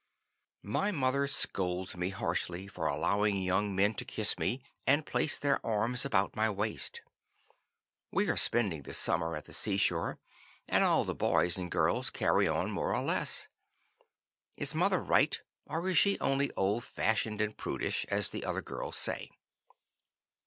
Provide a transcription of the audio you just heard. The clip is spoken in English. "My mother scolds me harshly for allowing young men to kiss me and place their arms about my waist. We are spending the summer at the seashore and all the boys and girls carry on more or less. Is mother right or is she only old fashioned and prudish, as the other girls say?"